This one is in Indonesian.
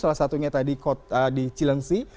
salah satunya tadi di cilengsi